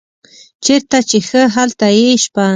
چیرته چې ښه هلته یې شپه.